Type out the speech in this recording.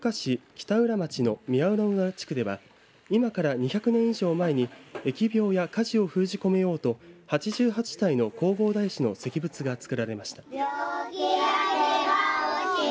北浦町の宮野浦地区では今から２００年以上前に疫病や火事を封じ込めようと８８体の弘法大師の石仏が作られました。